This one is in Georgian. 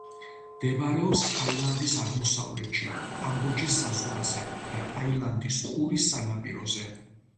მდებარეობს ტაილანდის აღმოსავლეთში, კამბოჯის საზღვარზე და ტაილანდის ყურის სანაპიროზე.